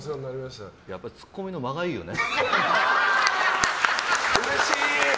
やっぱりツッコミの間がいいよね。